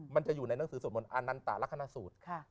มันจะอยู่ในหนังสือสวดมนต์อานันตาและคณะสูตร